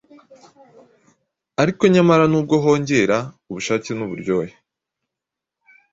ariko nyamara n’ubwo hongera ubushake n’uburyohe,